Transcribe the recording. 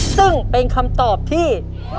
ซึ่งเป็นคำตอบที่